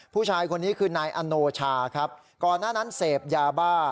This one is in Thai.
ผู้ชายคนนี้คือนายอโนชาครับก่อนหน้านั้นเสพยาบ้า